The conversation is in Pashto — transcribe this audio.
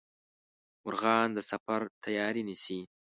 مرغان د سفر تیاري نیسي